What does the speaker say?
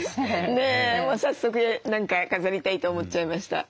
ねえもう早速何か飾りたいと思っちゃいました。